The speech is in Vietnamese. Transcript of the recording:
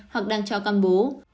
hoặc đang cho căm bú